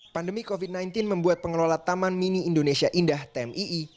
pandemi covid sembilan belas membuat pengelola taman mini indonesia indah tmii